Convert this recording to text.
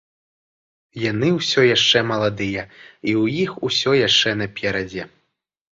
Яны ўсё яшчэ маладыя і ў іх усё яшчэ наперадзе.